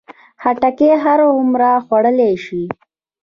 خټکی هر عمر خوړلی شي.